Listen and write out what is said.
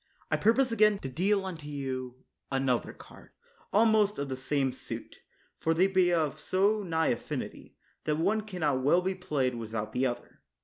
I pur pose again to deal unto you another card, almost of the same suit ; for they be of so nigh affinity, that one can not well be played without the other.